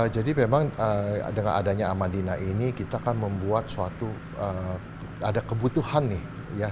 jadi memang dengan adanya amandina ini kita kan membuat suatu ada kebutuhan nih ya